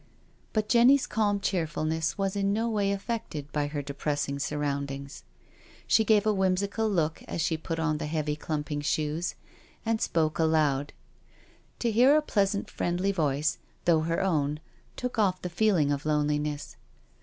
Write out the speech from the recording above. But Jenny's calm cheerfulness was in no way affected by her depressing surroundings. She gave a whimsical look as she put on the heavy clumping shoes, and spoke aloud. To hear a pleasant, friendly voice, though her own, took off the feeling of loneliness.